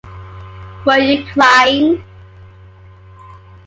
Were you crying?